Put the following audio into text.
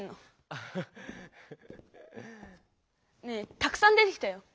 アハッ！ねぇたくさん出てきたよ！